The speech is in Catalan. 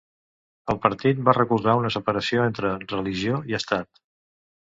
El partit va recolzar una separació entre religió i Estat.